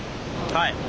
はい。